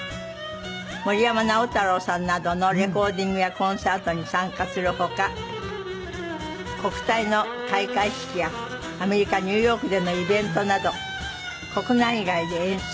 森山直太朗さんなどのレコーディングやコンサートに参加する他国体の開会式やアメリカニューヨークでのイベントなど国内外で演奏。